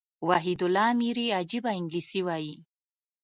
وحيدالله اميري عجبه انګلېسي وايي.